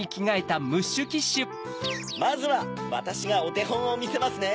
まずはわたしがおてほんをみせますね！